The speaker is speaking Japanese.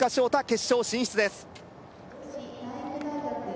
決勝進出です